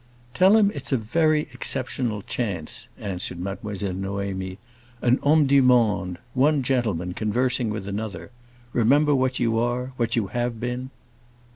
"Tell him it's a very exceptional chance," answered Mademoiselle Noémie; "an homme du monde—one gentleman conversing with another! Remember what you are—what you have been!"